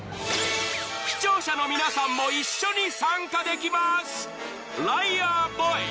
［視聴者の皆さんも一緒に参加できます］